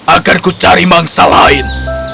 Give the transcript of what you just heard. akanku cari mangsa lain